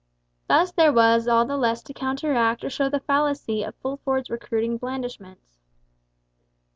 Thus there was all the less to counteract or show the fallacy of Fulford's recruiting blandishments.